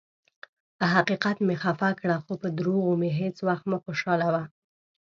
پۀ حقیقت مې خفه کړه، خو پۀ دروغو مې هیڅ ؤخت مه خوشالؤه.